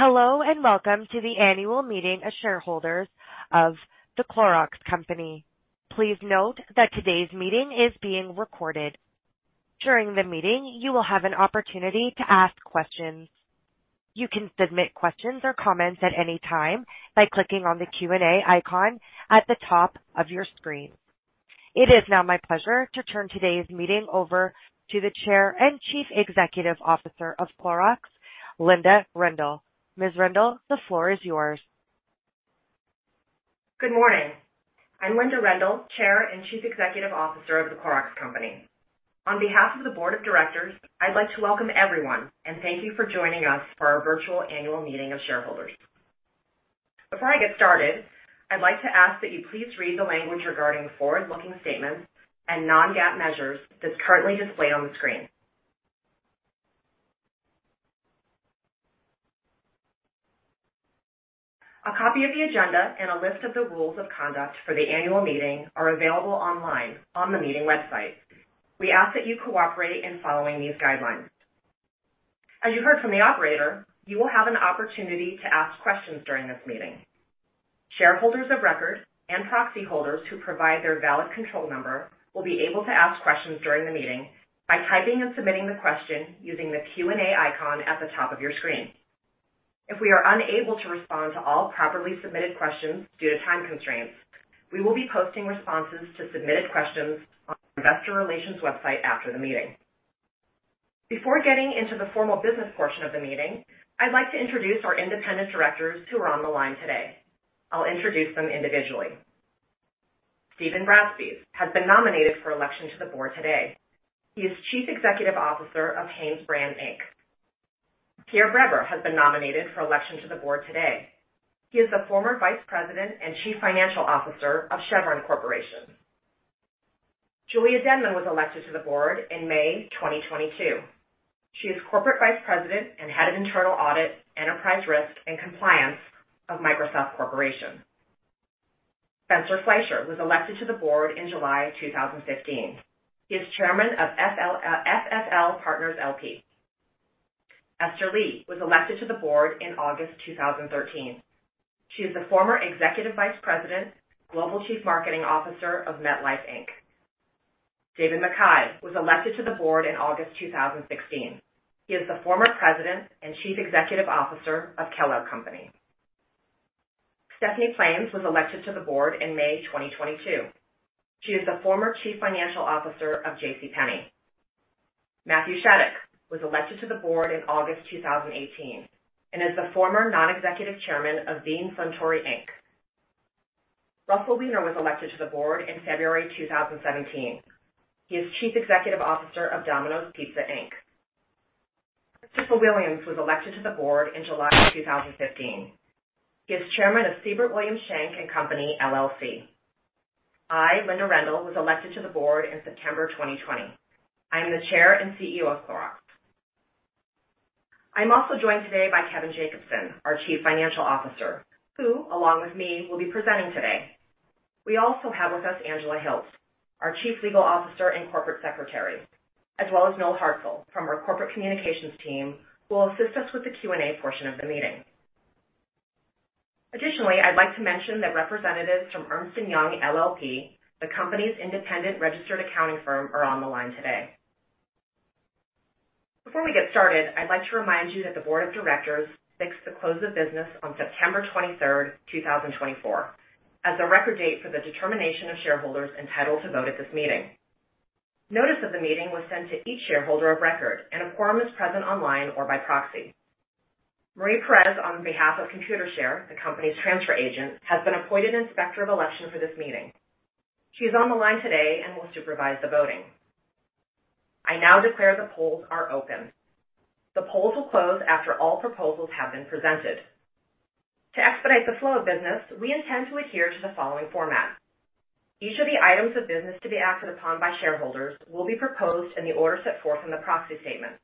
Hello and welcome to the annual meeting of shareholders of The Clorox Company. Please note that today's meeting is being recorded. During the meeting, you will have an opportunity to ask questions. You can submit questions or comments at any time by clicking on the Q&A icon at the top of your screen. It is now my pleasure to turn today's meeting over to the Chair and Chief Executive Officer of Clorox, Linda Rendle. Ms. Rendle, the floor is yours. Good morning. I'm Linda Rendle, Chair and Chief Executive Officer of the Clorox Company. On behalf of the Board of Directors, I'd like to welcome everyone and thank you for joining us for our virtual annual meeting of shareholders. Before I get started, I'd like to ask that you please read the language regarding forward-looking statements and non-GAAP measures that's currently displayed on the screen. A copy of the agenda and a list of the rules of conduct for the annual meeting are available online on the meeting website. We ask that you cooperate in following these guidelines. As you heard from the operator, you will have an opportunity to ask questions during this meeting. Shareholders of record and proxy holders who provide their valid control number will be able to ask questions during the meeting by typing and submitting the question using the Q&A icon at the top of your screen. If we are unable to respond to all properly submitted questions due to time constraints, we will be posting responses to submitted questions on the Investor Relations website after the meeting. Before getting into the formal business portion of the meeting, I'd like to introduce our independent directors who are on the line today. I'll introduce them individually. Steven Brasbies has been nominated for election to the board today. He is Chief Executive Officer of Haines Brand. Pierre Breber has been nominated for election to the board today. He is the former Vice President and Chief Financial Officer of Chevron Corporation. Julia Denman was elected to the board in May 2022. She is Corporate Vice President and Head of Internal Audit, Enterprise Risk, and Compliance of Microsoft Corporation. Spencer Fleischer was elected to the board in July 2015. He is Chairman of FFL Partners, LP. Esther Lee was elected to the board in August 2013. She is the former Executive Vice President, Global Chief Marketing Officer of MetLife, Inc. David Mackay was elected to the board in August 2016. He is the former President and Chief Executive Officer of Kellogg Company. Stephanie Plains was elected to the board in May 2022. She is the former Chief Financial Officer of J.C. Penney. Matthew Shattuck was elected to the board in August 2018 and is the former Non-Executive Chairman of Beam Suntory, Inc. Russell Wiener was elected to the board in February 2017. He is Chief Executive Officer of Domino's Pizza, Inc. Christopher Williams was elected to the board in July 2015. He is Chairman of Sebert Williams Shank and Company. I, Linda Rendle, was elected to the board in September 2020. I am the Chair and CEO of Clorox. I'm also joined today by Kevin Jacobsen, our Chief Financial Officer, who, along with me, will be presenting today. We also have with us Angela Hilt, our Chief Legal Officer and Corporate Secretary, as well as Noel Hartzell from our Corporate Communications team, who will assist us with the Q&A portion of the meeting. Additionally, I'd like to mention that representatives from Ernst & Young, LLP, the company's independent registered accounting firm, are on the line today. Before we get started, I'd like to remind you that the Board of Directors fixed the close of business on September 23rd, 2024, as the record date for the determination of shareholders entitled to vote at this meeting. Notice of the meeting was sent to each shareholder of record, and a quorum is present online or by proxy. Marie Perez, on behalf of ComputerShare, the company's transfer agent, has been appointed Inspector of Election for this meeting. She is on the line today and will supervise the voting. I now declare the polls are open. The polls will close after all proposals have been presented. To expedite the flow of business, we intend to adhere to the following format. Each of the items of business to be acted upon by shareholders will be proposed in the order set forth in the proxy statement,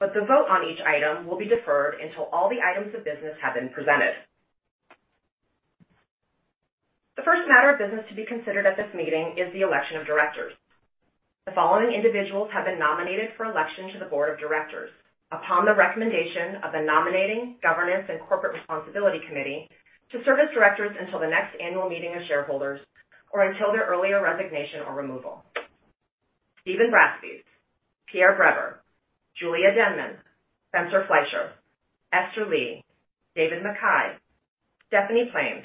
but the vote on each item will be deferred until all the items of business have been presented. The first matter of business to be considered at this meeting is the election of directors. The following individuals have been nominated for election to the Board of Directors upon the recommendation of the Nominating, Governance, and Corporate Responsibility Committee to serve as directors until the next annual meeting of shareholders or until their earlier resignation or removal. Steven Brasbies, Pierre Breber, Julia Denman, Spencer Fleischer, Esther Lee, David Mackay, Stephanie Plains,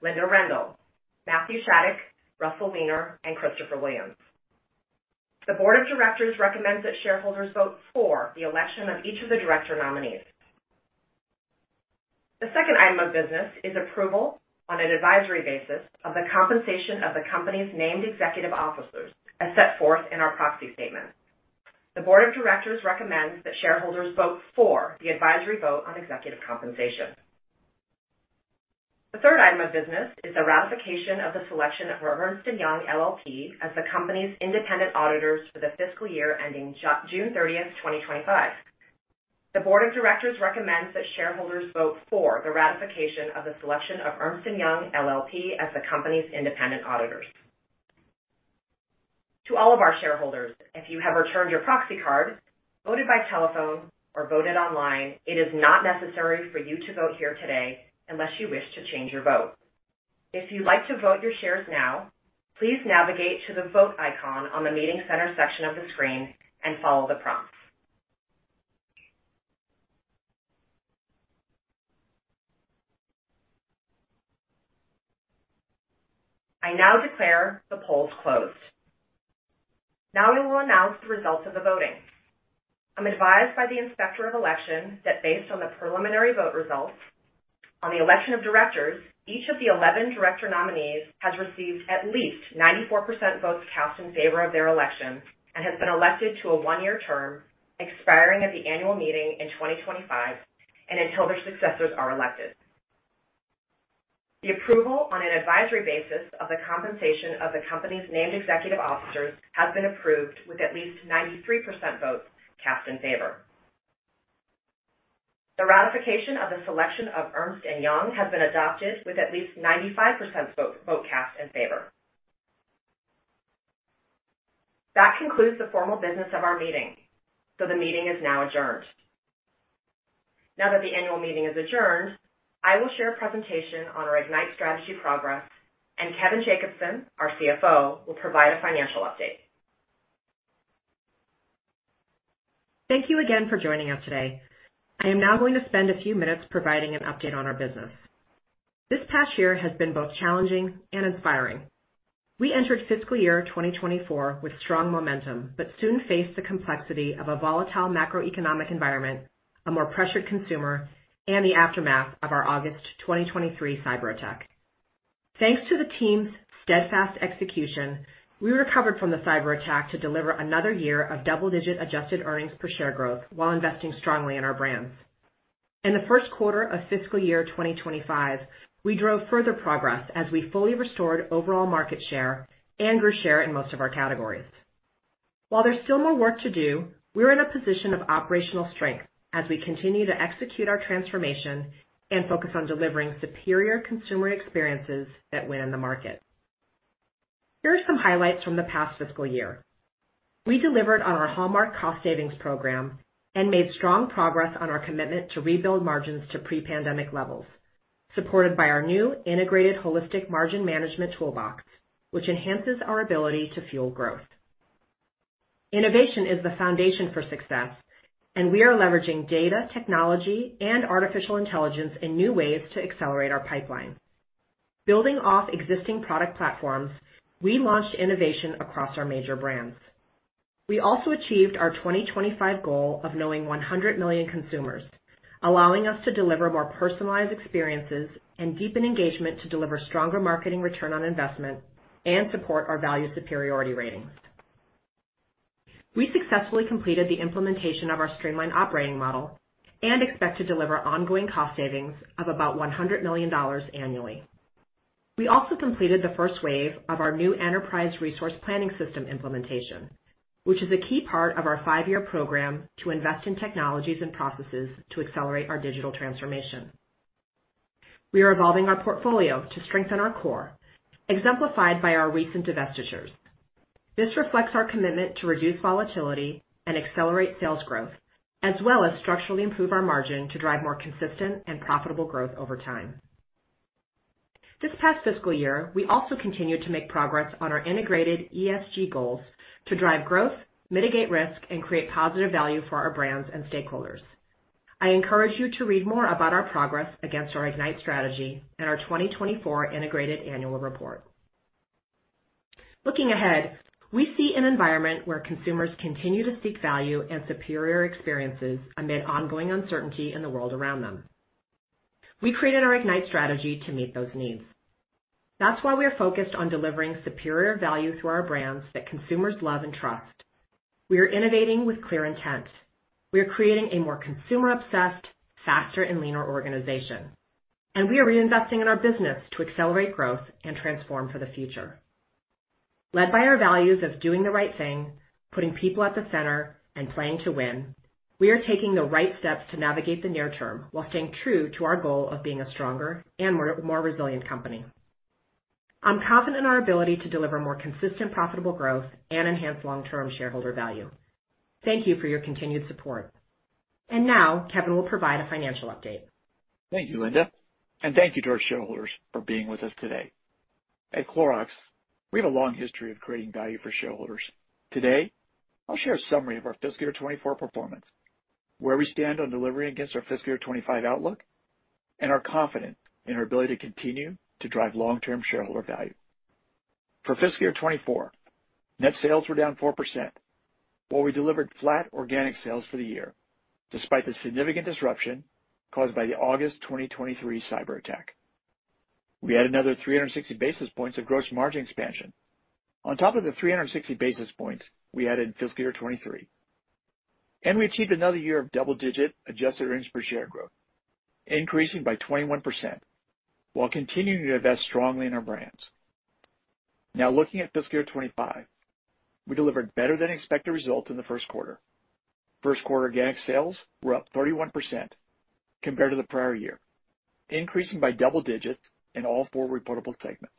Linda Rendle, Matthew Shattuck, Russell Wiener, and Christopher Williams. The Board of Directors recommends that shareholders vote for the election of each of the director nominees. The second item of business is approval on an advisory basis of the compensation of the company's named executive officers, as set forth in our proxy statement. The Board of Directors recommends that shareholders vote for the advisory vote on executive compensation. The third item of business is the ratification of the selection of Ernst & Young LLP, as the company's independent auditors for the fiscal year ending June 30th, 2025. The Board of Directors recommends that shareholders vote for the ratification of the selection of Ernst & Young LLP, as the company's independent auditors. To all of our shareholders, if you have returned your proxy card, voted by telephone, or voted online, it is not necessary for you to vote here today unless you wish to change your vote. If you'd like to vote your shares now, please navigate to the vote icon on the meeting center section of the screen and follow the prompts. I now declare the polls closed. Now I will announce the results of the voting. I'm advised by the Inspector of Election that based on the preliminary vote results on the election of directors, each of the 11 director nominees has received at least 94% votes cast in favor of their election and has been elected to a one-year term expiring at the annual meeting in 2025 and until their successors are elected. The approval on an advisory basis of the compensation of the company's named executive officers has been approved with at least 93% votes cast in favor. The ratification of the selection of Ernst & Young has been adopted with at least 95% vote cast in favor. That concludes the formal business of our meeting, so the meeting is now adjourned. Now that the annual meeting is adjourned, I will share a presentation on our Ignite strategy progress, and Kevin Jacobsen, our CFO, will provide a financial update. Thank you again for joining us today. I am now going to spend a few minutes providing an update on our business. This past year has been both challenging and inspiring. We entered fiscal year 2024 with strong momentum but soon faced the complexity of a volatile macroeconomic environment, a more pressured consumer, and the aftermath of our August 2023 cyber attack. Thanks to the team's steadfast execution, we recovered from the cyber attack to deliver another year of double-digit adjusted earnings per share growth while investing strongly in our brands. In the first quarter of fiscal year 2025, we drove further progress as we fully restored overall market share and grew share in most of our categories. While there's still more work to do, we're in a position of operational strength as we continue to execute our transformation and focus on delivering superior consumer experiences that win in the market. Here are some highlights from the past fiscal year. We delivered on our hallmark cost savings program and made strong progress on our commitment to rebuild margins to pre-pandemic levels, supported by our new integrated holistic margin management toolbox, which enhances our ability to fuel growth. Innovation is the foundation for success, and we are leveraging data, technology, and artificial intelligence in new ways to accelerate our pipeline. Building off existing product platforms, we launched innovation across our major brands. We also achieved our 2025 goal of knowing 100 million consumers, allowing us to deliver more personalized experiences and deepen engagement to deliver stronger marketing return on investment and support our value superiority ratings. We successfully completed the implementation of our streamlined operating model and expect to deliver ongoing cost savings of about $100 million annually. We also completed the first wave of our new enterprise resource planning system implementation, which is a key part of our five-year program to invest in technologies and processes to accelerate our digital transformation. We are evolving our portfolio to strengthen our core, exemplified by our recent divestitures. This reflects our commitment to reduce volatility and accelerate sales growth, as well as structurally improve our margin to drive more consistent and profitable growth over time. This past fiscal year, we also continued to make progress on our integrated ESG goals to drive growth, mitigate risk, and create positive value for our brands and stakeholders. I encourage you to read more about our progress against our Ignite strategy and our 2024 integrated annual report. Looking ahead, we see an environment where consumers continue to seek value and superior experiences amid ongoing uncertainty in the world around them. We created our Ignite strategy to meet those needs. That's why we are focused on delivering superior value through our brands that consumers love and trust. We are innovating with clear intent. We are creating a more consumer-obsessed, faster, and leaner organization, and we are reinvesting in our business to accelerate growth and transform for the future. Led by our values of doing the right thing, putting people at the center, and playing to win, we are taking the right steps to navigate the near term while staying true to our goal of being a stronger and more resilient company. I'm confident in our ability to deliver more consistent, profitable growth and enhance long-term shareholder value. Thank you for your continued support. And now, Kevin will provide a financial update. Thank you, Linda, and thank you to our shareholders for being with us today. At Clorox, we have a long history of creating value for shareholders. Today, I'll share a summary of our fiscal year 2024 performance, where we stand on delivery against our fiscal year 2025 outlook, and our confidence in our ability to continue to drive long-term shareholder value. For fiscal year 2024, net sales were down 4%, while we delivered flat organic sales for the year, despite the significant disruption caused by the August 2023 cyber attack. We had another 360 basis points of gross margin expansion. On top of the 360 basis points we added in fiscal year 2023, we achieved another year of double-digit adjusted earnings per share growth, increasing by 21%, while continuing to invest strongly in our brands. Now, looking at fiscal year 2025, we delivered better-than-expected results in the first quarter. First-quarter organic sales were up 31% compared to the prior year, increasing by double digits in all four reportable segments.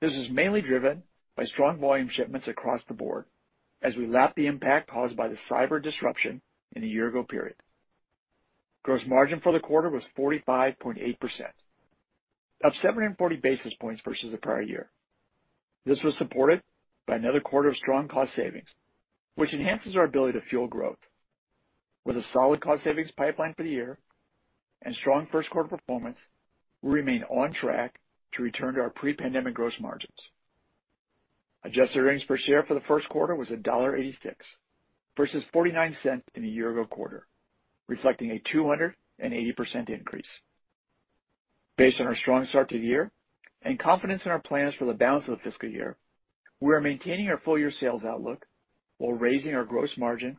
This is mainly driven by strong volume shipments across the board as we lapped the impact caused by the cyber disruption in the year-ago period. Gross margin for the quarter was 45.8%, up 740 basis points versus the prior year. This was supported by another quarter of strong cost savings, which enhances our ability to fuel growth. With a solid cost savings pipeline for the year and strong first-quarter performance, we remain on track to return to our pre-pandemic gross margins. Adjusted earnings per share for the first quarter was $1.86 versus $0.49 in the year-ago quarter, reflecting a 280% increase. Based on our strong start to the year and confidence in our plans for the balance of the fiscal year, we are maintaining our full-year sales outlook while raising our gross margin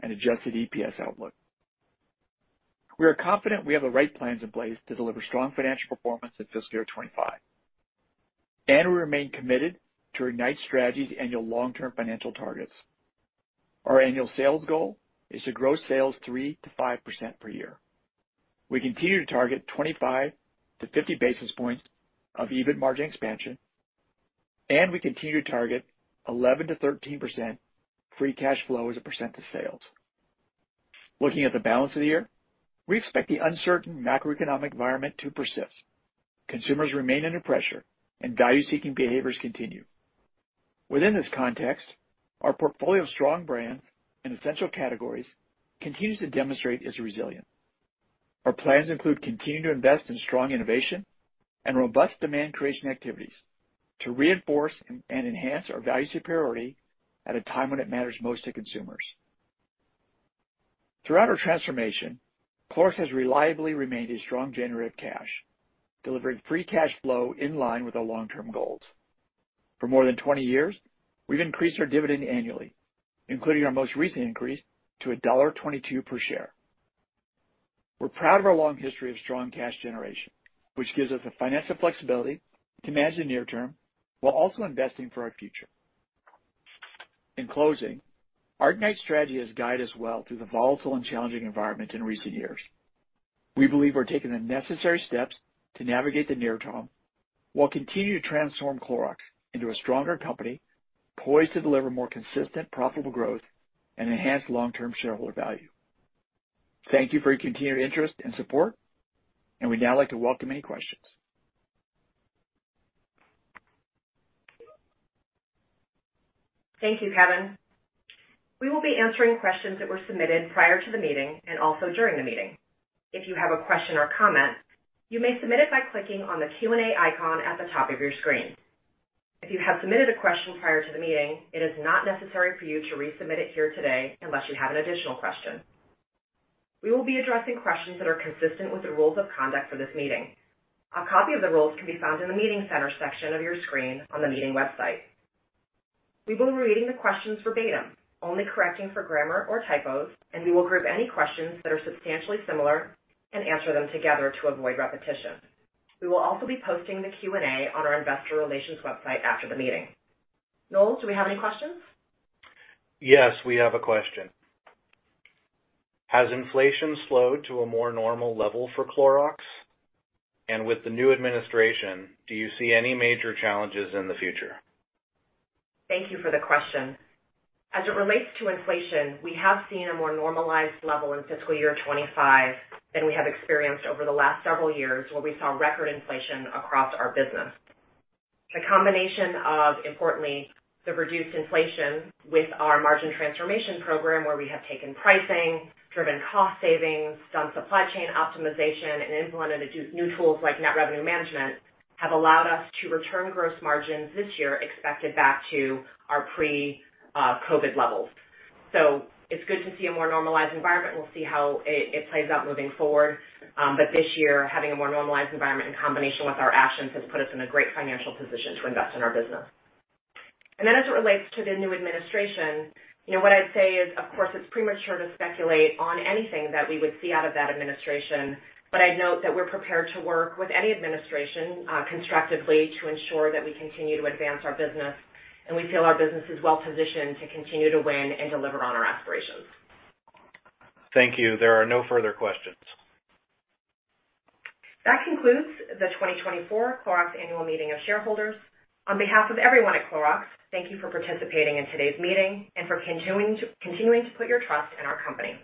and adjusted EPS outlook. We are confident we have the right plans in place to deliver strong financial performance in fiscal year 2025, and we remain committed to Ignite strategy's annual long-term financial targets. Our annual sales goal is to grow sales 3%-5% per year. We continue to target 25-50 basis points of even margin expansion, and we continue to target 11%-13% free cash flow as a percent of sales. Looking at the balance of the year, we expect the uncertain macroeconomic environment to persist. Consumers remain under pressure, and value-seeking behaviors continue. Within this context, our portfolio of strong brands and essential categories continues to demonstrate its resilience. Our plans include continuing to invest in strong innovation and robust demand-creation activities to reinforce and enhance our value superiority at a time when it matters most to consumers. Throughout our transformation, Clorox has reliably remained a strong generator of cash, delivering free cash flow in line with our long-term goals. For more than 20 years, we've increased our dividend annually, including our most recent increase to $1.22 per share. We're proud of our long history of strong cash generation, which gives us the financial flexibility to manage the near-term while also investing for our future. In closing, our Ignite strategy has guided us well through the volatile and challenging environment in recent years. We believe we're taking the necessary steps to navigate the near-term while continuing to transform Clorox into a stronger company poised to deliver more consistent, profitable growth and enhanced long-term shareholder value. Thank you for your continued interest and support, and we'd now like to welcome any questions. Thank you, Kevin. We will be answering questions that were submitted prior to the meeting and also during the meeting. If you have a question or comment, you may submit it by clicking on the Q&A icon at the top of your screen. If you have submitted a question prior to the meeting, it is not necessary for you to resubmit it here today unless you have an additional question. We will be addressing questions that are consistent with the rules of conduct for this meeting. A copy of the rules can be found in the meeting center section of your screen on the meeting website. We will be reading the questions verbatim, only correcting for grammar or typos, and we will group any questions that are substantially similar and answer them together to avoid repetition. We will also be posting the Q&A on our investor relations website after the meeting. Noel, do we have any questions? Yes, we have a question. Has inflation slowed to a more normal level for Clorox? With the new administration, do you see any major challenges in the future? Thank you for the question. As it relates to inflation, we have seen a more normalized level in fiscal year 2025 than we have experienced over the last several years where we saw record inflation across our business. The combination of, importantly, the reduced inflation with our margin transformation program, where we have taken pricing, driven cost savings, done supply chain optimization, and implemented new tools like net revenue management, have allowed us to return gross margins this year expected back to our pre-COVID levels. It is good to see a more normalized environment. We will see how it plays out moving forward. This year, having a more normalized environment in combination with our actions has put us in a great financial position to invest in our business. As it relates to the new administration, what I'd say is, of course, it's premature to speculate on anything that we would see out of that administration, but I'd note that we're prepared to work with any administration constructively to ensure that we continue to advance our business, and we feel our business is well-positioned to continue to win and deliver on our aspirations. Thank you. There are no further questions. That concludes the 2024 Clorox annual meeting of shareholders. On behalf of everyone at Clorox, thank you for participating in today's meeting and for continuing to put your trust in our company.